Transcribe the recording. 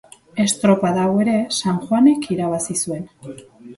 Estropada hau ere San Juanek irabazi zuen.